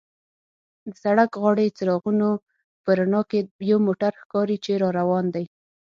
د سړک غاړې څراغونو په رڼا کې یو موټر ښکاري چې را روان دی.